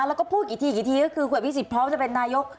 แล้วก็พูดกี่ทีกี่ทีก็คือคุณอภิษฎพร้อมจะเป็นนายก